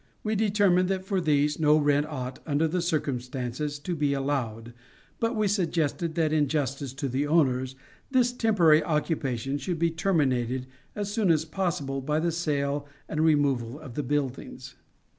We determined that for these no rent ought, under the circumstances, to be allowed, but we suggested that in justice to the owners this temporary occupation should be terminated as soon as possible by the sale and removal of the buildings.